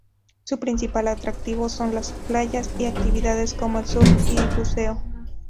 Su principal atractivo son sus playas y actividades como el surf y buceo.